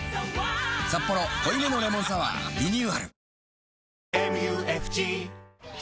「サッポロ濃いめのレモンサワー」リニューアル